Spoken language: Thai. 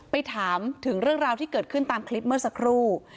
ถามถึงเรื่องราวที่เกิดขึ้นตามคลิปเมื่อสักครู่